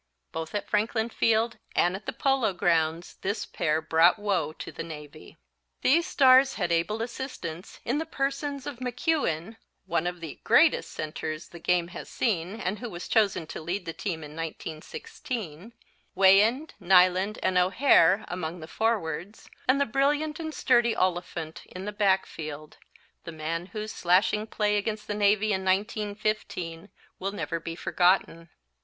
Both at Franklin Field and at the Polo Grounds this pair brought woe to the Navy. These stars had able assistance in the persons of McEwan, one of the greatest centers the game has seen and who was chosen to lead the team in 1916, Weyand, Neyland and O'Hare, among the forwards, and the brilliant and sturdy Oliphant in the backfield, the man whose slashing play against the Navy in 1915 will never be forgotten.